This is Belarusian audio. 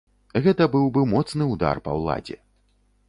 Гэта быў бы моцны ўдар па ўладзе.